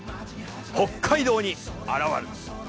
北海道に現る。